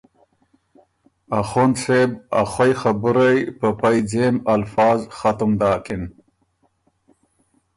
اخوند صېب ا خوئ خبُرئ په پئ ځېم الفاظ ختم داکِن:ـ